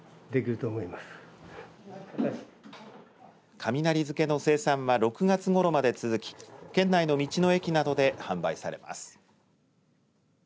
雷漬の生産は６月ごろまで続き県内の道の駅などで販売されます。